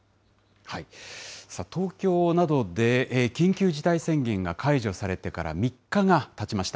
東京などで緊急事態宣言が解除されてから３日がたちました。